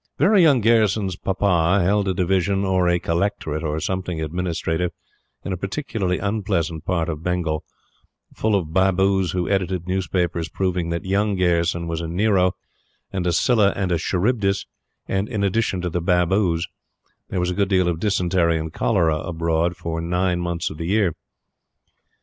"Very Young" Gayerson's papa held a Division or a Collectorate or something administrative in a particularly unpleasant part of Bengal full of Babus who edited newspapers proving that "Young" Gayerson was a "Nero" and a "Scylla" and a "Charybdis"; and, in addition to the Babus, there was a good deal of dysentery and cholera abroad for nine months of the year.